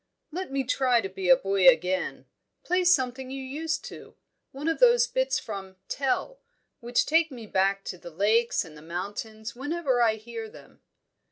"Let me try to be a boy again. Play something you used to. One of those bits from 'Tell,' which take me back to the lakes and the mountains whenever I hear them."